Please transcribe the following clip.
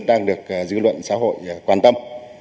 đang được dư luận xã hội quan tâm